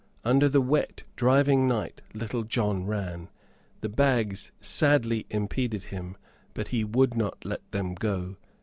Under the wet driving night Little John ran. The bags sadly impeded him, but he would not let them go.